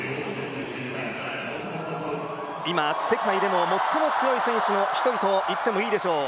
今、世界でも最も強い選手の１人といってもいいでしょう。